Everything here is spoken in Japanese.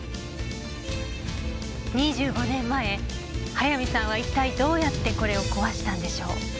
２５年前速水さんは一体どうやってこれを壊したんでしょう？